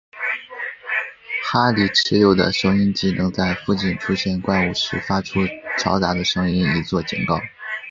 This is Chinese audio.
哈利持有的收音机能在附近出现怪物时发出嘈杂的声音以作警告。